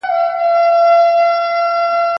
¬ مړی ئې غيم، زه خپل ياسين پر تېزوم.